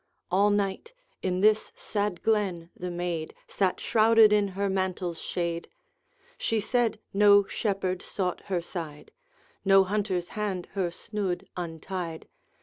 All night, in this sad glen the maid Sat shrouded in her mantle's shade: She said no shepherd sought her side, No hunter's hand her snood untied.